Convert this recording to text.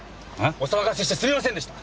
お騒がせしてすいませんでした。